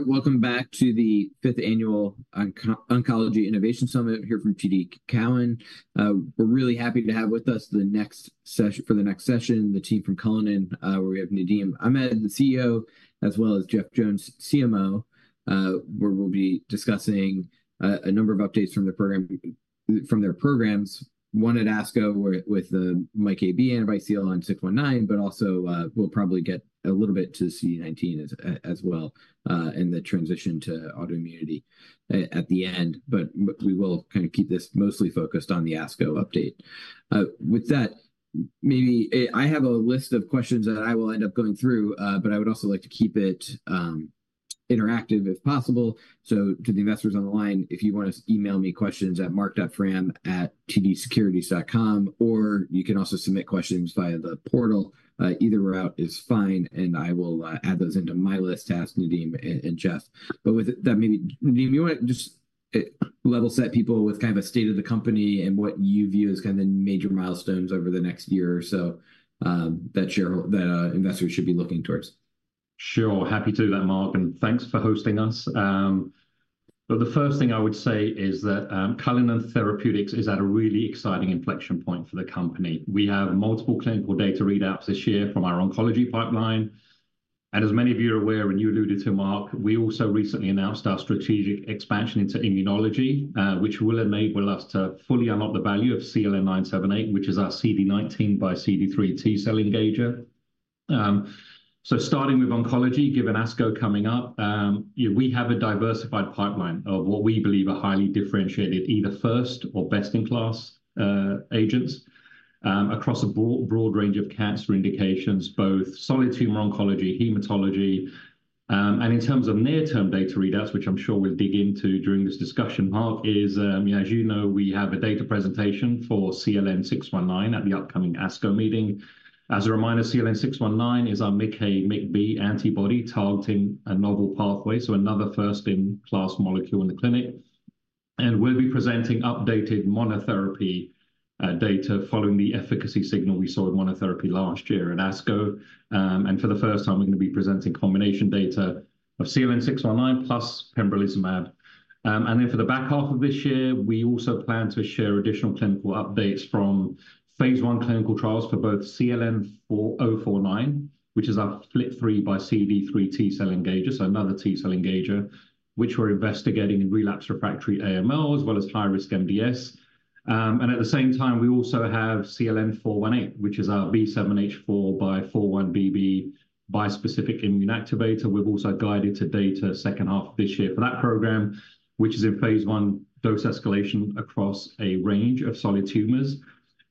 Hi, welcome back to the fifth Annual Oncology Innovation Summit here from TD Cowen. We're really happy to have with us for the next session, the team from Cullinan, where we have Nadeem Ahmed, the CEO, as well as Jeff Jones, CMO. Where we'll be discussing a number of updates from the program, from their programs, one at ASCO, with the MICA/B antibody, CLN-619, but also, we'll probably get a little bit to CD19 as well, and the transition to autoimmunity at the end. But we will kind of keep this mostly focused on the ASCO update. With that, maybe I have a list of questions that I will end up going through, but I would also like to keep it interactive, if possible. So to the investors on the line, if you want to email me questions at mark.fram@tdsecurities.com, or you can also submit questions via the portal. Either route is fine, and I will add those into my list to ask Nadeem and Jeff. But with that, maybe, Nadeem, you want to just level set people with kind of a state of the company and what you view as kind of the major milestones over the next year or so, that investors should be looking towards? Sure. Happy to do that, Mark, and thanks for hosting us. Well, the first thing I would say is that Cullinan Therapeutics is at a really exciting inflection point for the company. We have multiple clinical data readouts this year from our oncology pipeline, and as many of you are aware, and you alluded to, Mark, we also recently announced our strategic expansion into immunology, which will enable us to fully unlock the value of CLN-978, which is our CD19 by CD3 T cell engager. So starting with oncology, given ASCO coming up, you know, we have a diversified pipeline of what we believe are highly differentiated, either first or best-in-class, agents, across a broad range of cancer indications, both solid tumor oncology, hematology. And in terms of near-term data readouts, which I'm sure we'll dig into during this discussion, Mark, you know, as you know, we have a data presentation for CLN-619 at the upcoming ASCO meeting. As a reminder, CLN-619 is our MICA/MICB antibody targeting a novel pathway, so another first-in-class molecule in the clinic. And we'll be presenting updated monotherapy data following the efficacy signal we saw in monotherapy last year at ASCO. And for the first time, we're going to be presenting combination data of CLN-619 plus pembrolizumab. And then for the back half of this year, we also plan to share additional clinical updates from phase one clinical trials for both CLN-4049, which is our FLT3 x CD3 T cell engager, so another T cell engager, which we're investigating in relapsed refractory AML, as well as high-risk MDS. And at the same time, we also have CLN-418, which is our B7-H4 x 4-1BB bispecific immune activator. We've also guided to data second half of this year for that program, which is in phase 1, dose escalation across a range of solid tumors.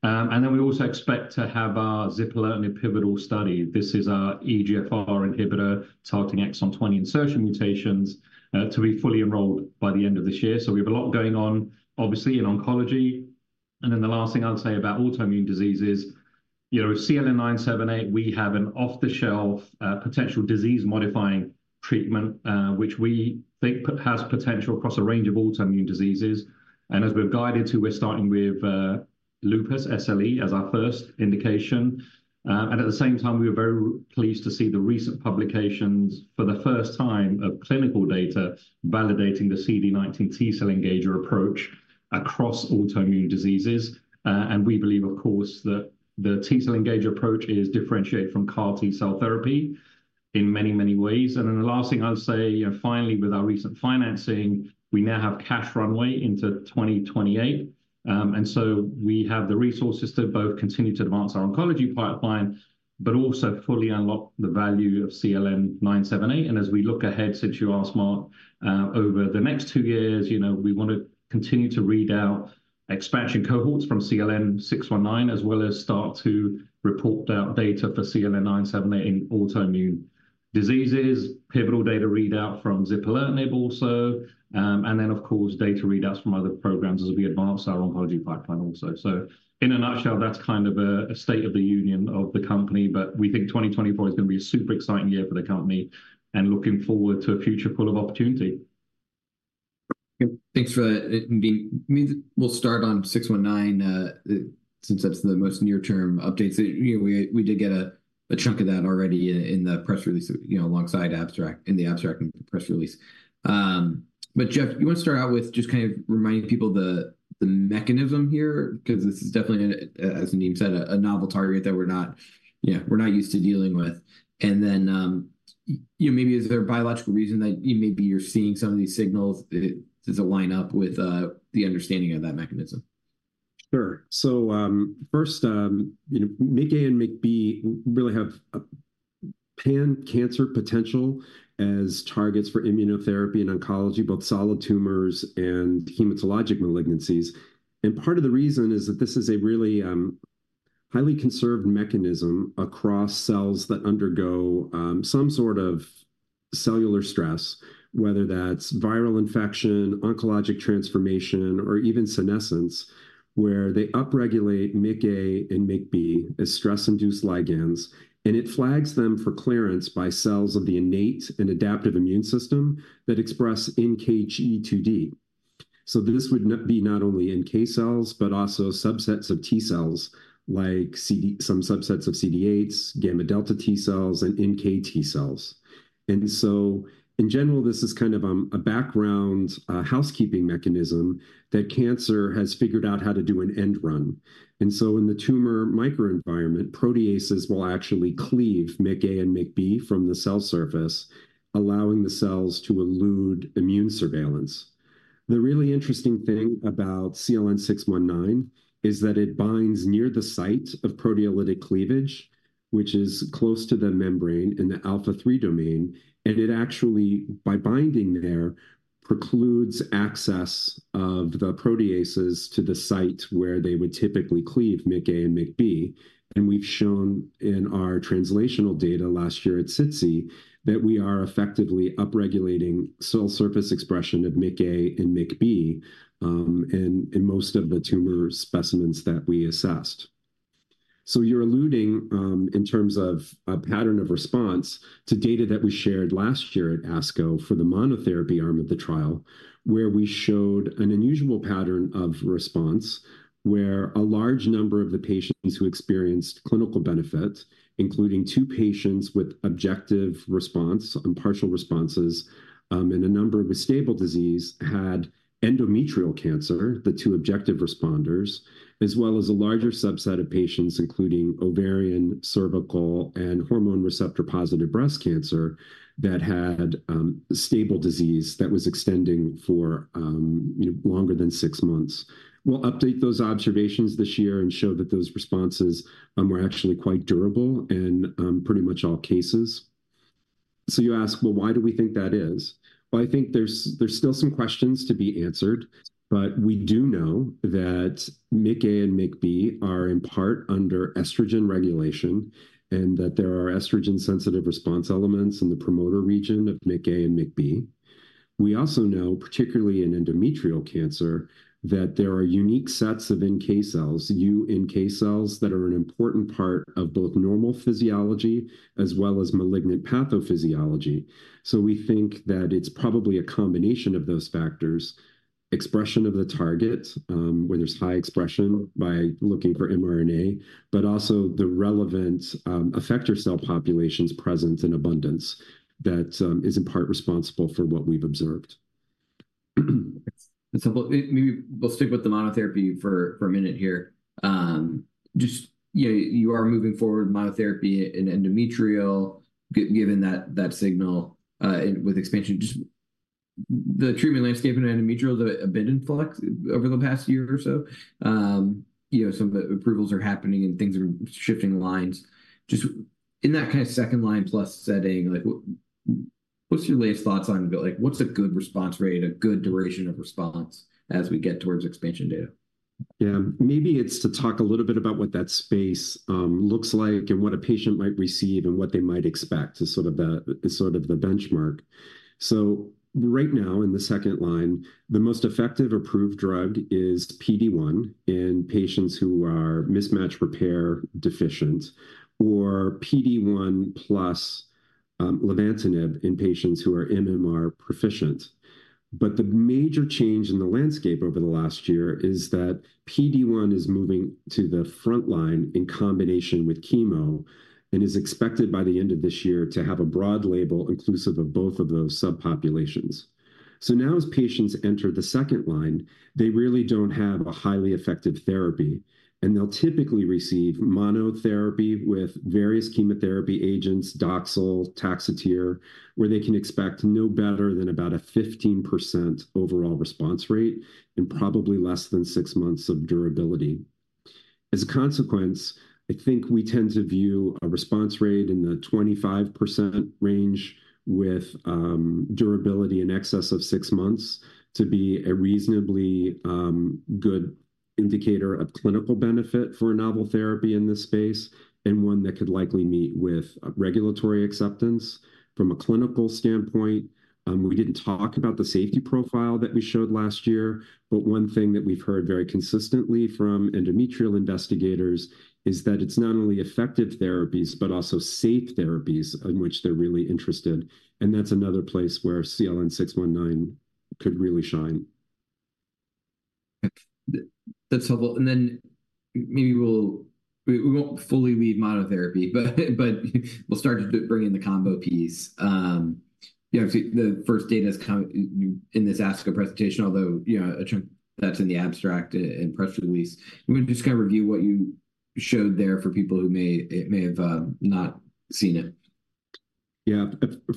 And then we also expect to have our zipalertinib pivotal study. This is our EGFR inhibitor targeting exon 20 insertion mutations to be fully enrolled by the end of this year. So we have a lot going on, obviously, in oncology. And then the last thing I'll say about autoimmune disease is, you know, with CLN-978, we have an off-the-shelf, potential disease-modifying treatment, which we think has potential across a range of autoimmune diseases. And as we've guided to, we're starting with lupus, SLE, as our first indication. And at the same time, we are very pleased to see the recent publications for the first time of clinical data validating the CD19 T cell engager approach across autoimmune diseases. And we believe, of course, that the T cell engager approach is differentiated from CAR T cell therapy in many, many ways. And then the last thing I'd say, you know, finally, with our recent financing, we now have cash runway into 2028. And so we have the resources to both continue to advance our oncology pipeline, but also fully unlock the value of CLN-978. As we look ahead, since you asked, Mark, over the next two years, you know, we want to continue to read out expansion cohorts from CLN-619, as well as start to report out data for CLN-978 in autoimmune diseases, pivotal data readout from zipalertinib also, and then, of course, data readouts from other programs as we advance our oncology pipeline also. So in a nutshell, that's kind of a state of the union of the company, but we think 2024 is going to be a super exciting year for the company, and looking forward to a future full of opportunity. Thanks for that, Nadeem. We'll start on 619, since that's the most near-term updates. You know, we, we did get a, a chunk of that already, in the press release, you know, alongside in the abstract and press release. But, Jeff, you want to start out with just kind of reminding people the, the mechanism here? Because this is definitely, as Nadeem said, a novel target that we're not, you know, we're not used to dealing with. And then, you know, maybe is there a biological reason that maybe you're seeing some of these signals? Does it line up with, the understanding of that mechanism? Sure. So, first, you know, MICA and MICB really have a pan-cancer potential as targets for immunotherapy and oncology, both solid tumors and hematologic malignancies. And part of the reason is that this is a really, highly conserved mechanism across cells that undergo some sort of cellular stress, whether that's viral infection, oncologic transformation, or even senescence, where they upregulate MICA and MICB as stress-induced ligands, and it flags them for clearance by cells of the innate and adaptive immune system that express NKG2D. So this would not be not only in NK cells, but also subsets of T cells, like CD8, some subsets of CD8s, gamma delta T cells, and NKT cells. And so in general, this is kind of a background housekeeping mechanism that cancer has figured out how to do an end run. So in the tumor microenvironment, proteases will actually cleave MICA and MICB from the cell surface, allowing the cells to elude immune surveillance. The really interesting thing about CLN-619 is that it binds near the site of proteolytic cleavage, which is close to the membrane in the alpha-3 domain, and it actually, by binding there, precludes access of the proteases to the site where they would typically cleave MICA and MICB. And we've shown in our translational data last year at SITC, that we are effectively upregulating cell surface expression of MICA and MICB in most of the tumor specimens that we assessed. So you're alluding, in terms of a pattern of response to data that we shared last year at ASCO for the monotherapy arm of the trial, where we showed an unusual pattern of response, where a large number of the patients who experienced clinical benefit, including two patients with objective response and partial responses, and a number with stable disease, had endometrial cancer, the two objective responders. As well as a larger subset of patients, including ovarian, cervical, and hormone receptor-positive breast cancer, that had stable disease that was extending for, you know, longer than six months. We'll update those observations this year and show that those responses were actually quite durable in pretty much all cases. So you ask, well, why do we think that is? Well, I think there's still some questions to be answered, but we do know that MICA and MICB are in part under estrogen regulation, and that there are estrogen-sensitive response elements in the promoter region of MICA and MICB. We also know, particularly in endometrial cancer, that there are unique sets of NK cells, uNK cells, that are an important part of both normal physiology as well as malignant pathophysiology. So we think that it's probably a combination of those factors, expression of the target, where there's high expression by looking for mRNA, but also the relevant effector cell populations present in abundance that is in part responsible for what we've observed. Maybe we'll stick with the monotherapy for a minute here. Just, yeah, you are moving forward monotherapy in endometrial, given that signal with expansion. Just the treatment landscape in endometrial has been in flux over the past year or so. You know, some approvals are happening and things are shifting lines. Just in that kind of second-line plus setting, like, what's your latest thoughts on it? Like, what's a good response rate, a good duration of response as we get towards expansion data? Yeah. Maybe it's to talk a little bit about what that space looks like and what a patient might receive and what they might expect as sort of the benchmark. So right now, in the second line, the most effective approved drug is PD-1 in patients who are mismatch repair deficient, or PD-1 plus nivolumab in patients who are MMR proficient. But the major change in the landscape over the last year is that PD-1 is moving to the front line in combination with chemo, and is expected by the end of this year to have a broad label inclusive of both of those subpopulations. So now, as patients enter the second line, they really don't have a highly effective therapy, and they'll typically receive monotherapy with various chemotherapy agents, Doxil, Taxotere, where they can expect no better than about a 15% overall response rate and probably less than six months of durability. As a consequence, I think we tend to view a response rate in the 25% range with, durability in excess of six months, to be a reasonably, good indicator of clinical benefit for a novel therapy in this space, and one that could likely meet with regulatory acceptance. From a clinical standpoint, we didn't talk about the safety profile that we showed last year, but one thing that we've heard very consistently from endometrial investigators is that it's not only effective therapies, but also safe therapies in which they're really interested, and that's another place where CLN-619 could really shine. That's helpful. And then maybe we'll... We, we won't fully leave monotherapy, but, but we'll start to bring in the combo piece. You know, the first data is coming in this ASCO presentation, although, you know, a term that's in the abstract and press release. You wanna just kind of review what you showed there for people who may, may have not seen it? Yeah.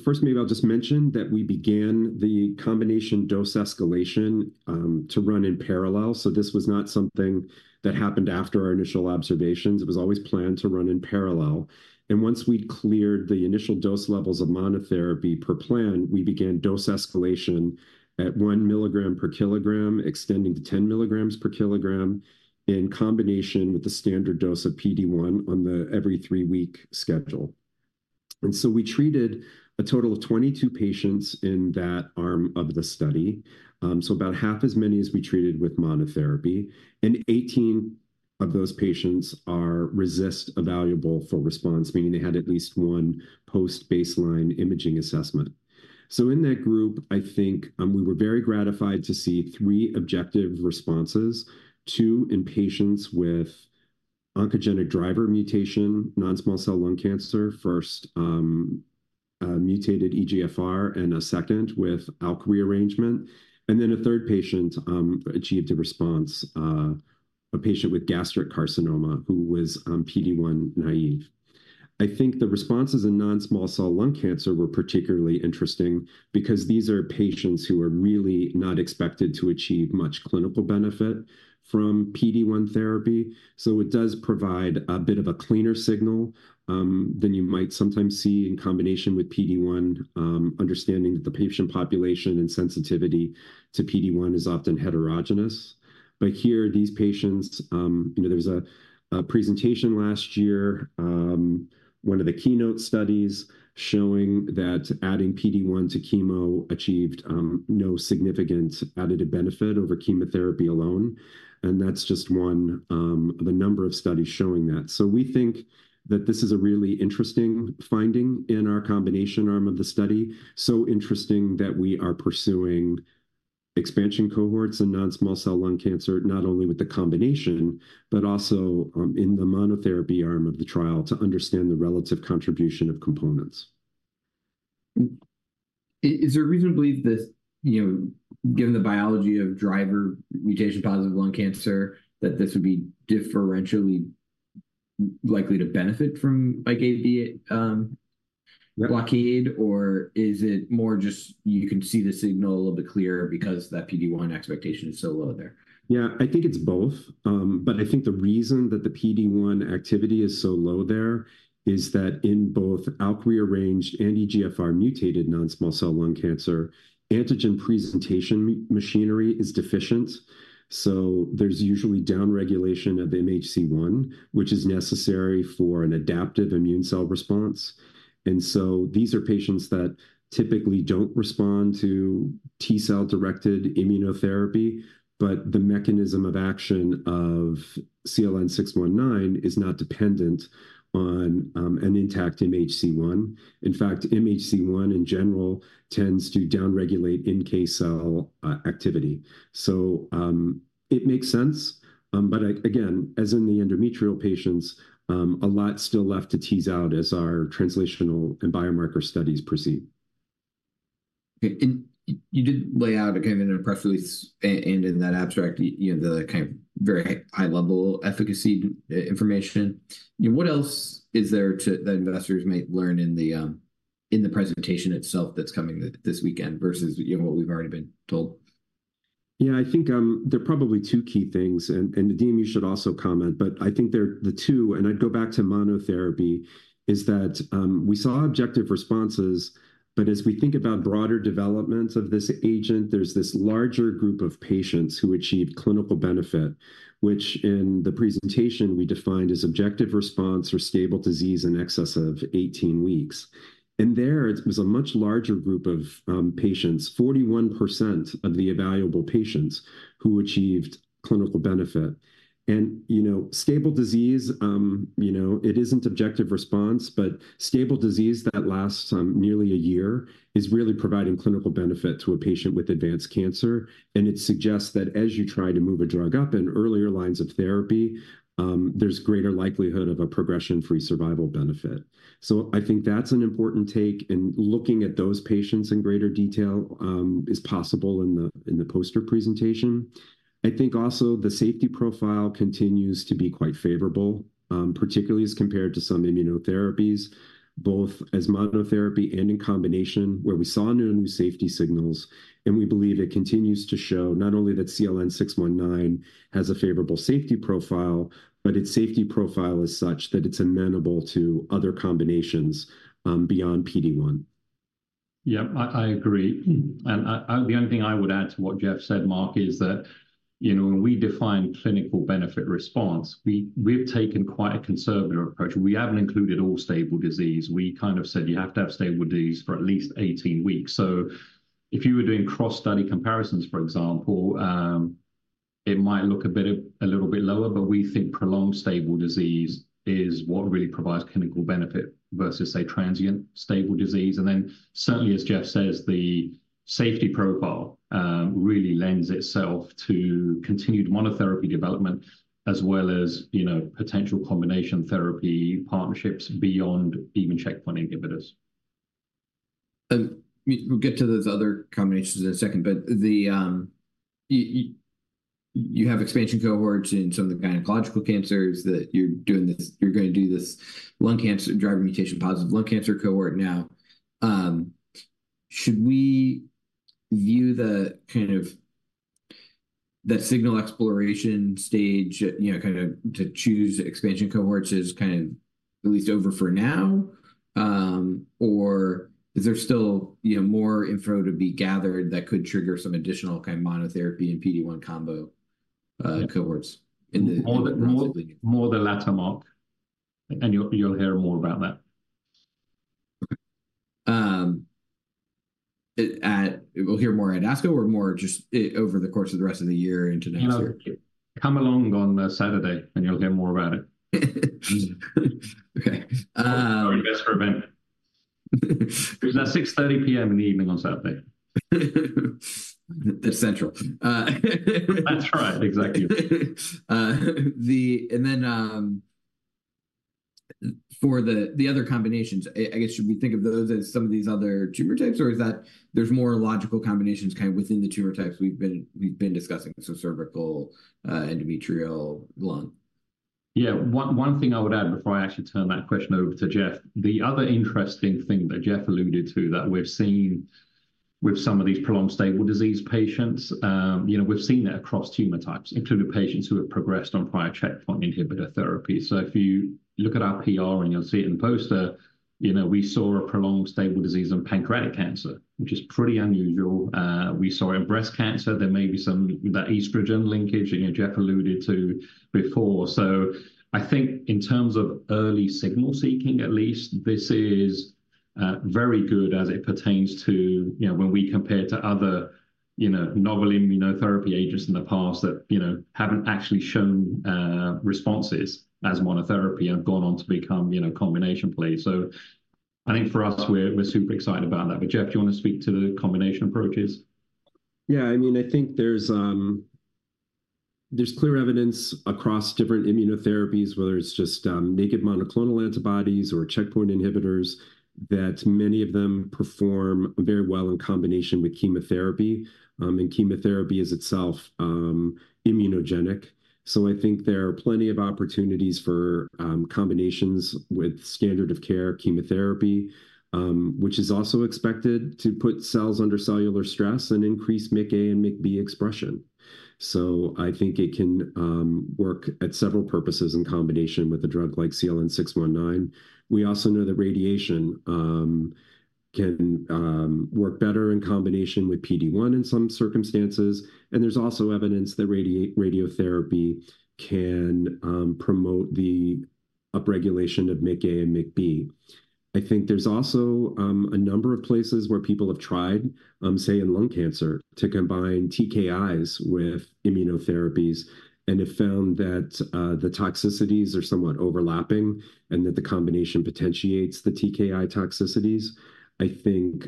First, maybe I'll just mention that we began the combination dose escalation to run in parallel. So this was not something that happened after our initial observations. It was always planned to run in parallel. And once we'd cleared the initial dose levels of monotherapy per plan, we began dose escalation at one milligram per kilogram, extending to 10 milligrams per kilogram, in combination with the standard dose of PD-1 on the every three-week schedule. And so we treated a total of 22 patients in that arm of the study, so about half as many as we treated with monotherapy, and 18 of those patients are response evaluable for response, meaning they had at least one post-baseline imaging assessment. So in that group, I think, we were very gratified to see three objective responses, two in patients with oncogenic driver mutation, non-small cell lung cancer. First, a mutated EGFR and a second with ALK rearrangement, and then a third patient, achieved a response, a patient with gastric carcinoma who was, PD-1 naive. I think the responses in non-small cell lung cancer were particularly interesting because these are patients who are really not expected to achieve much clinical benefit from PD-1 therapy. So it does provide a bit of a cleaner signal, than you might sometimes see in combination with PD-1, understanding that the patient population and sensitivity to PD-1 is often heterogeneous. But here, these patients, you know, there was a presentation last year, one of the Keynote studies showing that adding PD-1 to chemo achieved, no significant additive benefit over chemotherapy alone, and that's just one, of a number of studies showing that. So we think that this is a really interesting finding in our combination arm of the study, so interesting that we are pursuing expansion cohorts in non-small cell lung cancer, not only with the combination, but also in the monotherapy arm of the trial to understand the relative contribution of components. Is there a reason to believe this, you know, given the biology of driver mutation-positive lung cancer, that this would be differentially likely to benefit from, like, AB blockade? Or is it more just you can see the signal a little bit clearer because that PD-1 expectation is so low there? Yeah, I think it's both. But I think the reason that the PD-1 activity is so low there is that in both ALK rearranged and EGFR mutated non-small cell lung cancer, antigen presentation machinery is deficient, so there's usually downregulation of MHC-1, which is necessary for an adaptive immune cell response. And so these are patients that typically don't respond to T cell-directed immunotherapy, but the mechanism of action of CLN-619 is not dependent on an intact MHC-1. In fact, MHC-1, in general, tends to downregulate NK cell activity. It makes sense, but again, as in the endometrial patients, a lot still left to tease out as our translational and biomarker studies proceed. Okay, and you did lay out, again, in a press release and in that abstract, you know, the kind of very high-level efficacy information. You know, what else is there to... that investors might learn in the, in the presentation itself that's coming this weekend versus, you know, what we've already been told? Yeah, I think, there are probably two key things, and, and Nadeem, you should also comment. But I think they're the two, and I'd go back to monotherapy, is that, we saw objective responses, but as we think about broader developments of this agent, there's this larger group of patients who achieved clinical benefit, which in the presentation we defined as objective response or stable disease in excess of 18 weeks. And there, it was a much larger group of, patients, 41% of the evaluable patients, who achieved clinical benefit. And, you know, stable disease, you know, it isn't objective response, but stable disease that lasts nearly a year is really providing clinical benefit to a patient with advanced cancer, and it suggests that as you try to move a drug up in earlier lines of therapy, there's greater likelihood of a progression-free survival benefit. So I think that's an important take, and looking at those patients in greater detail is possible in the poster presentation. I think also the safety profile continues to be quite favorable, particularly as compared to some immunotherapies, both as monotherapy and in combination, where we saw no new safety signals. And we believe it continues to show not only that CLN-619 has a favorable safety profile, but its safety profile is such that it's amenable to other combinations beyond PD-1. Yeah, I agree. The only thing I would add to what Jeff said, Mark, is that, you know, when we define clinical benefit response, we've taken quite a conservative approach. We haven't included all stable disease. We kind of said you have to have stable disease for at least 18 weeks. So if you were doing cross-study comparisons, for example, it might look a bit, a little bit lower, but we think prolonged stable disease is what really provides clinical benefit versus, say, transient stable disease. And then certainly, as Jeff says, the safety profile really lends itself to continued monotherapy development as well as, you know, potential combination therapy partnerships beyond even checkpoint inhibitors. We'll get to those other combinations in a second. But you have expansion cohorts in some of the gynecological cancers that you're doing this—you're going to do this lung cancer—driver mutation-positive lung cancer cohort now. Should we view the kind of signal exploration stage, you know, kind of to choose expansion cohorts is kind of at least over for now, or is there still, you know, more info to be gathered that could trigger some additional kind of monotherapy and PD-1 combo cohorts in the- More the latter, Mark, and you'll hear more about that. ... it, we'll hear more at ASCO or more just, over the course of the rest of the year into next year? Well, come along on Saturday, and you'll hear more about it. Okay. Um- Or you can ask for Ben. It's at 6:30 P.M. in the evening on Saturday. That's Central. That's right, exactly. And then, for the other combinations, I guess, should we think of those as some of these other tumor types, or is that there's more logical combinations kind of within the tumor types we've been discussing, so cervical, endometrial, lung? Yeah. One thing I would add before I actually turn that question over to Jeff, the other interesting thing that Jeff alluded to that we've seen with some of these prolonged stable disease patients, you know, we've seen it across tumor types, including patients who have progressed on prior checkpoint inhibitor therapy. So if you look at our PR, and you'll see it in the poster, you know, we saw a prolonged stable disease in pancreatic cancer, which is pretty unusual. We saw it in breast cancer. There may be some, that estrogen linkage, you know, Jeff alluded to before. So I think in terms of early signal seeking, at least, this is very good as it pertains to, you know, when we compare to other, you know, novel immunotherapy agents in the past that, you know, haven't actually shown responses as monotherapy and have gone on to become, you know, combination play. So I think for us, we're super excited about that. But, Jeff, do you want to speak to the combination approaches? Yeah, I mean, I think there's clear evidence across different immunotherapies, whether it's just naked monoclonal antibodies or checkpoint inhibitors, that many of them perform very well in combination with chemotherapy, and chemotherapy is itself immunogenic. So I think there are plenty of opportunities for combinations with standard of care chemotherapy, which is also expected to put cells under cellular stress and increase MICA and MICB expression. So I think it can work at several purposes in combination with a drug like CLN-619. We also know that radiation can work better in combination with PD-1 in some circumstances, and there's also evidence that radiotherapy can promote the upregulation of MICA and MICB. I think there's also a number of places where people have tried, say, in lung cancer, to combine TKIs with immunotherapies and have found that the toxicities are somewhat overlapping and that the combination potentiates the TKI toxicities. I think,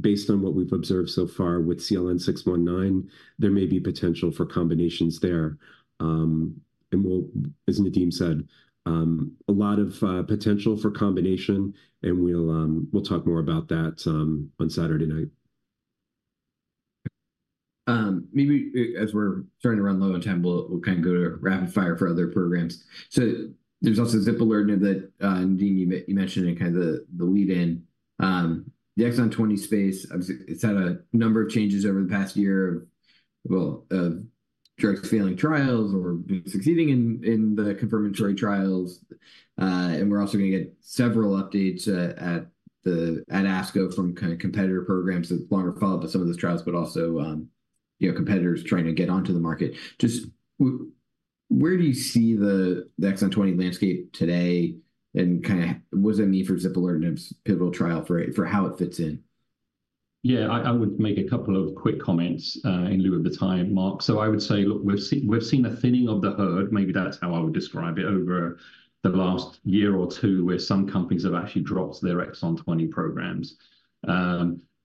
based on what we've observed so far with CLN-619, there may be potential for combinations there. And we'll—as Nadeem said, a lot of potential for combination, and we'll we'll talk more about that on Saturday night. Maybe, as we're starting to run low on time, we'll kind of go to rapid fire for other programs. So there's also zipalertinib that, Nadeem, you mentioned in the lead-in. The exon 20 space, obviously, it's had a number of changes over the past year of, well, of drugs failing trials or succeeding in the confirmatory trials. And we're also gonna get several updates at ASCO from kind of competitor programs that longer follow-up of some of those trials, but also, you know, competitors trying to get onto the market. Just where do you see the exon 20 landscape today, and kind of what's a need for zipalertinib's pivotal trial for it, for how it fits in? Yeah, I would make a couple of quick comments in lieu of the time, Mark. So I would say, look, we've seen a thinning of the herd, maybe that's how I would describe it, over the last year or two, where some companies have actually dropped their exon 20 programs.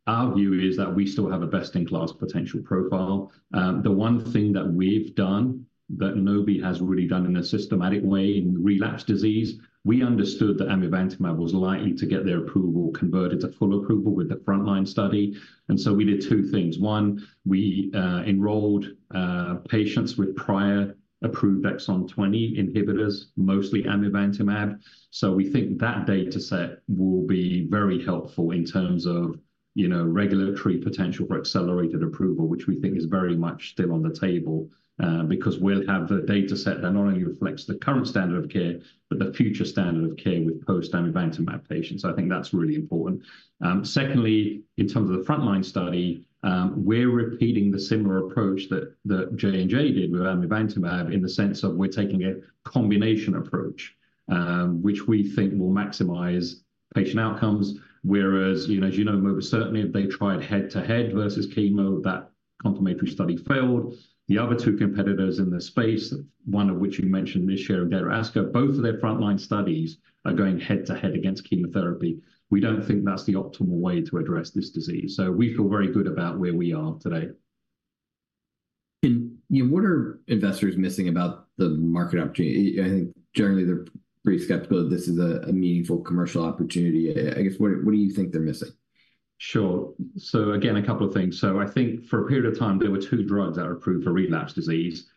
Our view is that we still have a best-in-class potential profile. The one thing that we've done that nobody has really done in a systematic way in relapsed disease, we understood that amivantamab was likely to get their approval converted to full approval with the frontline study, and so we did two things. One, we enrolled patients with prior approved exon 20 inhibitors, mostly amivantamab. So we think that dataset will be very helpful in terms of, you know, regulatory potential for accelerated approval, which we think is very much still on the table, because we'll have a dataset that not only reflects the current standard of care but the future standard of care with post-amivantamab patients. So I think that's really important. Secondly, in terms of the frontline study, we're repeating the similar approach that J&J did with amivantamab, in the sense of we're taking a combination approach, which we think will maximize patient outcomes. Whereas, you know, as you know, mobocertinib, they tried head-to-head versus chemo. That complementary study failed. The other two competitors in this space, one of which you mentioned this year again at ASCO, both of their frontline studies are going head-to-head against chemotherapy. We don't think that's the optimal way to address this disease, so we feel very good about where we are today. You know, what are investors missing about the market opportunity? I think generally, they're pretty skeptical that this is a meaningful commercial opportunity. I guess, what do you think they're missing? Sure. So again, a couple of things. So I think for a period of time, there were two drugs that were approved for relapsed disease.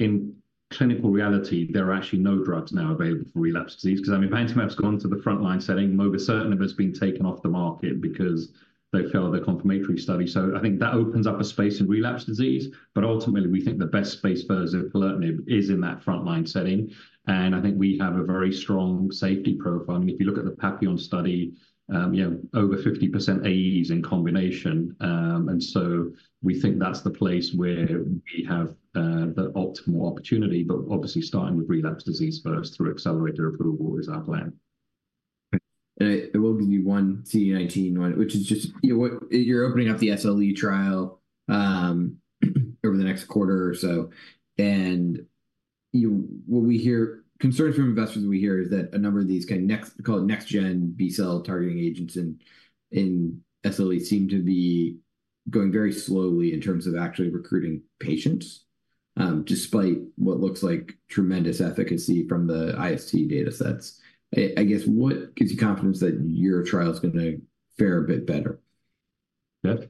In clinical reality, there are actually no drugs now available for relapsed disease, 'cause Amivantamab's gone to the frontline setting, Mobocertinib has been taken off the market because they failed their confirmatory study. So I think that opens up a space in relapsed disease. But ultimately, we think the best space for zipalertinib is in that frontline setting, and I think we have a very strong safety profile. I mean, if you look at the Papillon study, you know, over 50% AEs in combination. And so we think that's the place where we have, the optimal opportunity. But obviously, starting with relapsed disease first through accelerated approval is our plan. ... And I will give you one CD19 one, which is just, you know, what, you're opening up the SLE trial over the next quarter or so. And, you know, what we hear concerns from investors we hear is that a number of these kind of next, called next gen B-cell targeting agents in SLE seem to be going very slowly in terms of actually recruiting patients, despite what looks like tremendous efficacy from the IST datasets. I guess, what gives you confidence that your trial's gonna fare a bit better? Jeff?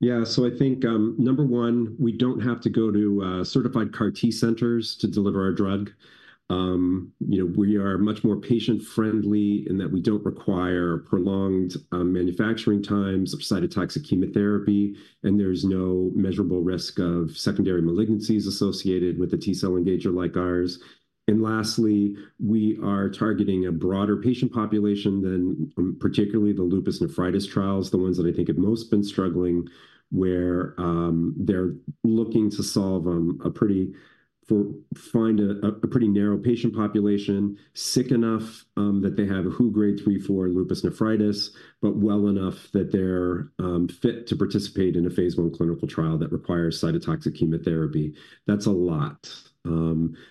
Yeah, so I think, number one, we don't have to go to certified CAR T centers to deliver our drug. You know, we are much more patient-friendly in that we don't require prolonged manufacturing times of cytotoxic chemotherapy, and there's no measurable risk of secondary malignancies associated with a T-cell engager like ours. And lastly, we are targeting a broader patient population than, particularly the lupus nephritis trials, the ones that I think have most been struggling, where they're looking to solve a pretty narrow patient population, sick enough that they have a WHO Grade III/IV lupus nephritis, but well enough that they're fit to participate in a phase one clinical trial that requires cytotoxic chemotherapy. That's a lot.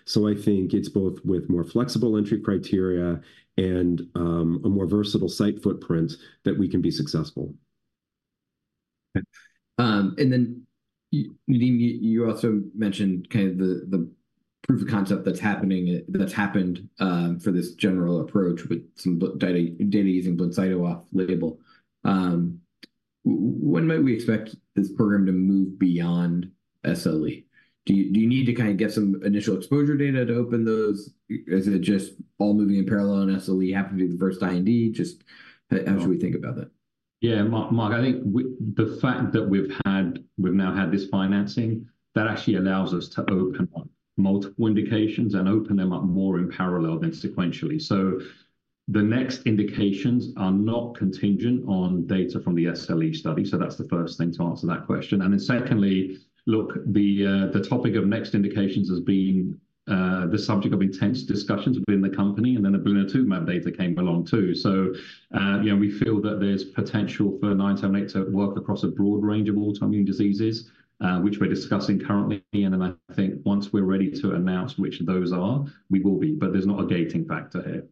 So, I think it's both with more flexible entry criteria and a more versatile site footprint that we can be successful. Okay. And then, Nadim, you also mentioned kind of the proof of concept that's happening, that's happened, for this general approach with some data using Blincyto off-label. When might we expect this program to move beyond SLE? Do you need to kind of get some initial exposure data to open those? Is it just all moving in parallel, and SLE happened to be the first IND? Just how should we think about that? Yeah, Mark, I think the fact that we've now had this financing, that actually allows us to open up multiple indications and open them up more in parallel than sequentially. So the next indications are not contingent on data from the SLE study, so that's the first thing to answer that question. And then secondly, look, the topic of next indications has been the subject of intense discussions within the company, and then blinatumomab data came along, too. So, you know, we feel that there's potential for 9 7 8 to work across a broad range of autoimmune diseases, which we're discussing currently. And then I think once we're ready to announce which of those are, we will be, but there's not a gating factor here.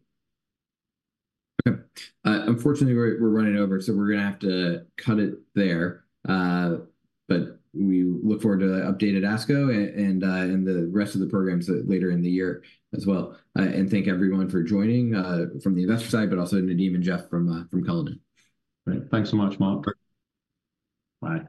Okay. Unfortunately, we're running over, so we're gonna have to cut it there. But we look forward to the update at ASCO and the rest of the programs later in the year as well. And thank everyone for joining from the investor side, but also Nadim and Jeff from Cullinan. Great. Thanks so much, Mark. Bye.